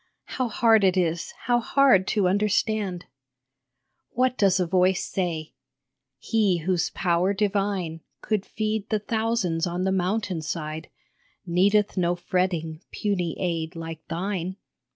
How hard it is, how hard to understand ! What does a voice say ?" He whose power divine Could feed the thousands on the mountain side Needeth no fretting, puny aid like thine.